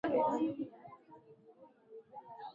philip alipata mapenzi ya vizazi nchini uingereza